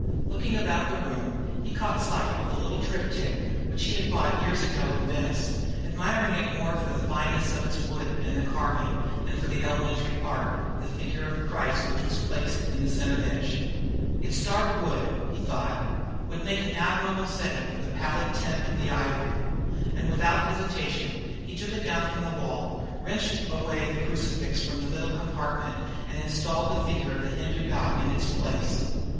Looking about the room, he caught sight of a little triptych which he had bought years ago in Venice, admiring it more for the fineness of the wood and the carving than for the elementary art of the figure of Christ which was placed in the centre niche. Its dark wood, he thought, would make an admirable setting to the pallid tint of the ivory; and without hesitation he took it down from the wall, wrenched away the crucifix from the middle compartment, and installed the figure of the Hindu god in its place.